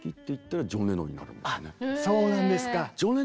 あっそうなんですか。